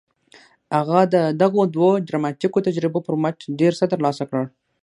هغه د دغو دوو ډراماتيکو تجربو پر مټ ډېر څه ترلاسه کړل.